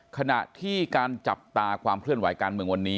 ขณะที่การจับตาความเคลื่อนไหวการเมืองวันนี้